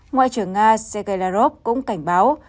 ngoại trưởng nga sergei lavrov cũng cảnh báo